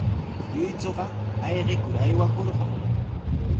Lluychuqa aywikur aywakurqan.